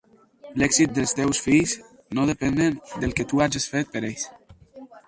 L'èxit dels teus fills no depèn del que tu hages fet per ells.